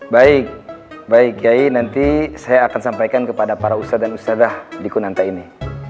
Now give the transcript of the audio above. baik baik kiai nanti saya akan sampaikan kepada para usa dan ustadzah di kunanta ini